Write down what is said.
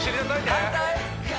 反対！